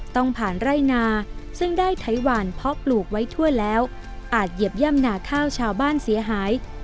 ต้องผ่านไร่นาซึ่งได้ไถหวานเพราะปลูกไว้ทั่วแล้วอาจเหยียบย่ำหนาข้าวชาวบ้านเสียหาย